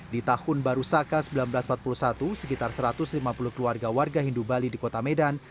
di tahun baru saka seribu sembilan ratus empat puluh satu sekitar satu ratus lima puluh keluarga warga hindu bali di kota medan